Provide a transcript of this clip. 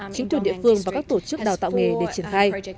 chính quyền địa phương và các tổ chức đào tạo nghề để triển khai